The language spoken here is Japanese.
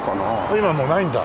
今はもうないんだ？